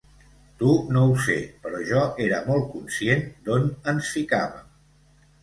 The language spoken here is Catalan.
Tu no ho sé, però jo era molt conscient d’on ens ficàvem.